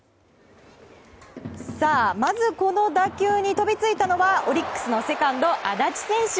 まず、この打球に飛びついたのはオリックスのセカンド安達選手。